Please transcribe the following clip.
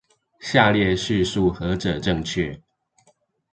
下列敘述何者正確？